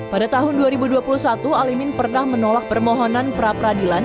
pada tahun dua ribu dua puluh satu alimin pernah menolak permohonan pra peradilan